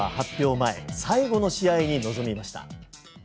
前最後の試合に臨みました。